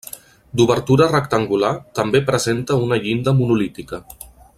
D'obertura rectangular, també presenta una llinda monolítica.